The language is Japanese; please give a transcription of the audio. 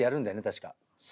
確か。